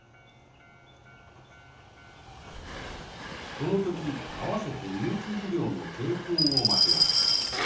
この時あわせて有機肥料の鶏ふんをまきます。